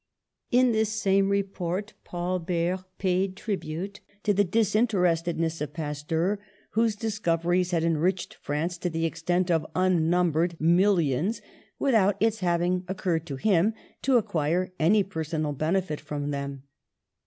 In this same report Paul Bert paid tribute to the disinterestedness of Pasteur^ whose discov eries had enriched France to the extent of un numbered millions, without its having occurred to him to acquire any personal benefit from them.